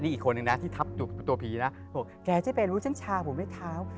นี่อีคนหนึ่งนะที่ทับตัวผีนะบอกแกจะเป็นรู้ฉันชาบหรือไม่ท้าว